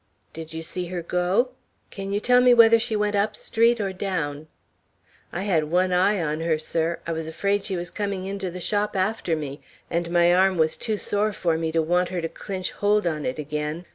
"Did you see her go? Can you tell me whether she went up street or down?" "I had one eye on her, sir; I was afraid she was coming into the shop after me, and my arm was too sore for me to want her to clinch hold on it again.